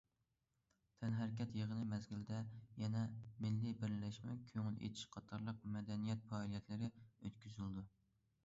تەنھەرىكەت يىغىنى مەزگىلىدە يەنە مىللىي بىرلەشمە كۆڭۈل ئېچىش قاتارلىق مەدەنىيەت پائالىيەتلىرى ئۆتكۈزۈلىدۇ.